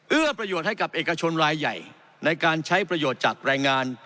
เอื้อประโยชน์ให้กับเอกชนรายใหญ่ในการใช้ประโยชน์จากแรงงาน